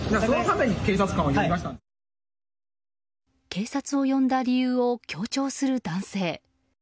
警察を呼んだ理由を強調する男性。